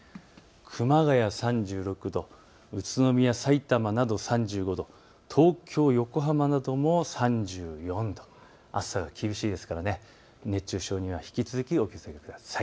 熊谷３６度、宇都宮、さいたまなど３５度、東京、横浜なども３４度、暑さが厳しいですから熱中症には引き続きお気をつけください。